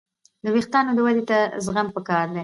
د وېښتیانو ودې ته زغم پکار دی.